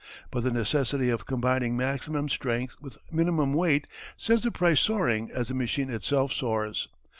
But the necessity of combining maximum strength with minimum weight sends the price soaring as the machine itself soars.